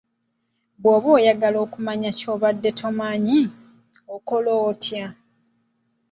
Bw'oyagala okumanya ky'obadde tomanyi, okola otya?